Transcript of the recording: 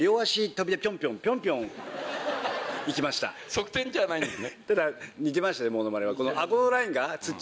側転じゃないんですね。